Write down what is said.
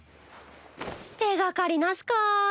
手がかりなしか。